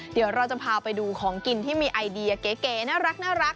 เดี๋ยวเราจะพาไปดูของกินที่มีไอเดียเก๋น่ารัก